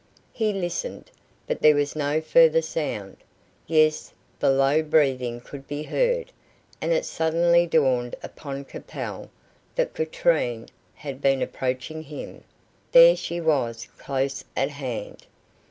He listened, but there was no further sound. Yes; the low breathing could be heard, and it suddenly dawned upon Capel that Katrine had been approaching him there she was close at hand.